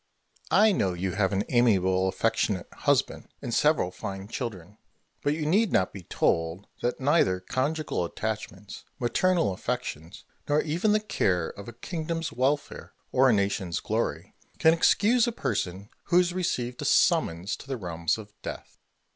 Mercury. I know you have an amiable, affectionate husband, and several fine children; but you need not be told, that neither conjugal attachments, maternal affections, nor even the care of a kingdom's welfare or a nation's glory, can excuse a person who has received a summons to the realms of death.